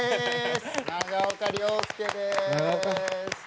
長岡亮介です！